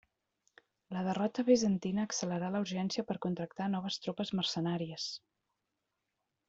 La derrota bizantina accelerà la urgència per contractar noves tropes mercenàries.